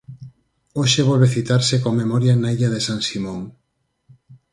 Hoxe volve citarse coa memoria na Illa de San Simón.